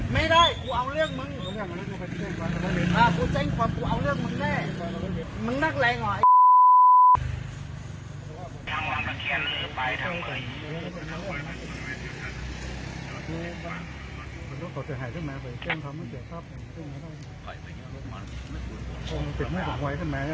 ไม่ได้กูเอาเรื่องมึงอ่ากูแจ้งความกูเอาเรื่องมึงได้